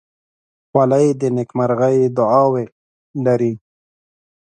خولۍ د نیکمرغۍ دعاوې لري.